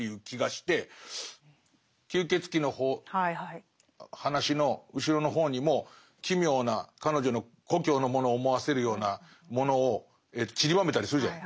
吸血鬼の話の後ろの方にも奇妙な彼女の故郷のものを思わせるようなものをちりばめたりするじゃない。